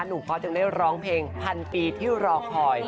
พ่อจึงได้ร้องเพลงพันปีที่รอคอย